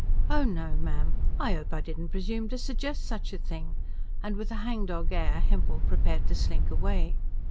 "Oh no, ma'am. I 'ope I didn't presume to suggest such a thing"; and with a hangdog air Hempel prepared to slink away.